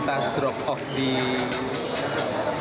mengalami sedikit kendala